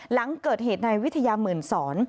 หลังเกิดเหตุในวิทยาหมื่นสอน